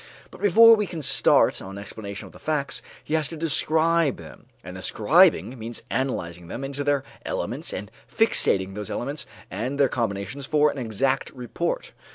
But before he can start on explanation of the facts, he has to describe them, and describing means analyzing them into their elements and fixating those elements and their combinations for an exact report.